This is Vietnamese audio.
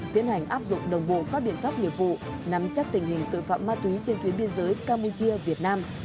tiến hành áp dụng đồng bộ các biện pháp nghiệp vụ nắm chắc tình hình tội phạm ma túy trên tuyến biên giới campuchia việt nam